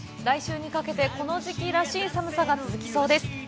来週にかけてこの時期らしい寒さが続きそうです。